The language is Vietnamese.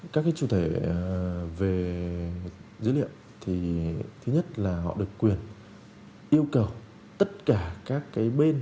các cái chủ thể về dữ liệu thì thứ nhất là họ được quyền yêu cầu tất cả các cái bên